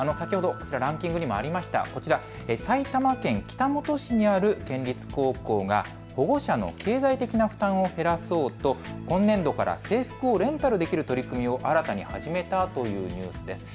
ランキングにもあった埼玉県北本市にある県立高校が保護者の経済的負担を減らそうと今年度から制服をレンタルできる取り組みを新たに始めたというニュースです。